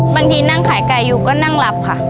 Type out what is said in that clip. นั่งขายไก่อยู่ก็นั่งหลับค่ะ